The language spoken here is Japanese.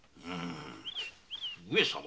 上様。